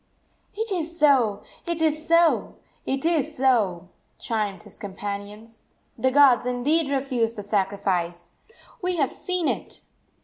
"It is so, it is so, it is so!" chimed his companions. "The gods indeed refuse the sacrifice! We have seen it!"